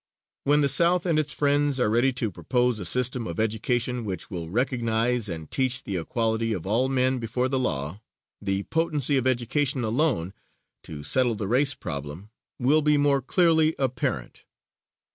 When the South and its friends are ready to propose a system of education which will recognize and teach the equality of all men before the law, the potency of education alone to settle the race problem will be more clearly apparent.